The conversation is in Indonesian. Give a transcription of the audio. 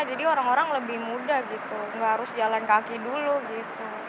jadi orang orang lebih muda gitu nggak harus jalan kaki dulu gitu